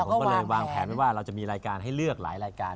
ผมก็เลยวางแผนไว้ว่าเราจะมีรายการให้เลือกหลายรายการ